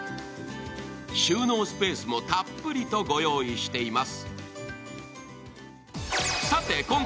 収納スペースもたっぷりとご用意しています。